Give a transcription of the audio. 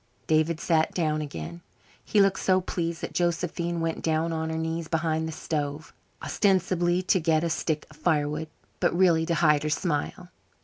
David sat down again. He looked so pleased that Josephine went down on her knees behind the stove, ostensibly to get a stick of firewood, but really to hide her smile.